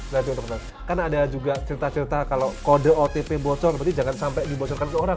berarti untuk menang karena ada juga cerita cerita kalau kode otp bocor berarti jangan sampai dibocorkan ke orang